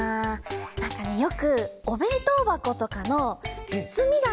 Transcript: なんかねよくおべんとうばことかのつつみがみ